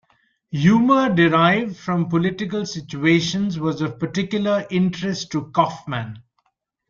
Humor derived from political situations was of particular interest to Kaufman.